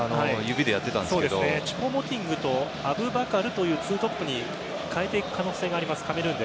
チュポ・モティングとアブバカルという２トップに変えていく可能性がありますカメルーン。